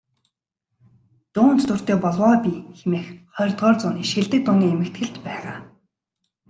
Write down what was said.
"Дуунд дуртай болов оо би" хэмээх ХХ зууны шилдэг дууны эмхэтгэлд байгаа.